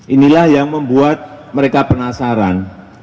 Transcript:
inilah yang membuat mereka penasaran